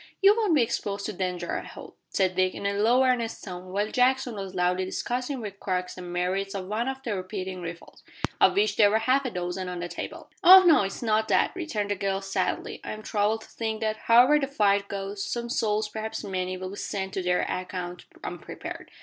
"You won't be exposed to danger, I hope," said Dick, in a low earnest tone, while Jackson was loudly discussing with Crux the merits of one of the repeating rifles of which there were half a dozen on the table. "Oh no! It is not that," returned the girl sadly. "I am troubled to think that, however the fight goes, some souls, perhaps many, will be sent to their account unprepared.